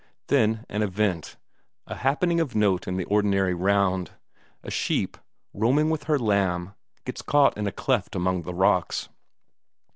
Then an event, a happening of note in the ordinary round: a sheep, roaming with her lamb, gets caught in a cleft among the rocks.